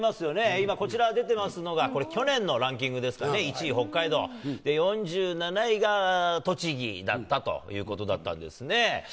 今、こちらに出てますのが、これ、去年のランキングですかね、１位北海道、４７位が栃木だったということだったんですね。